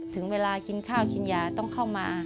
ถึงเวลากินข้าวกินยาต้องเข้ามา